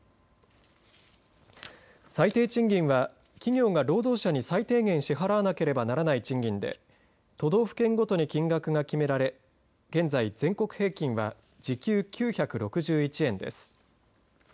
最低賃金は、企業が労働者に最低限支払わなければならない賃金で都道府県ごとに金額が決められ現在全国平均は時給９６１円です。